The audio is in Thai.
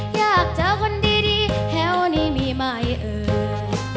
อยากเจอคนดีแถวนี้มีไหมเอ่ย